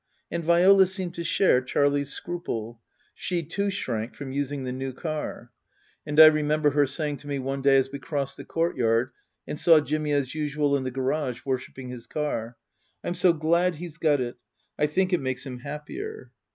And Viola seemed to share Charlie's scruple. She, too, shrank from using the new car. And I remember her saying to me one day as we crossed the courtyard and saw Jimmy, as usual, in the garage, worshipping his car, "I'm so glad he's got it. I think it makes him happier."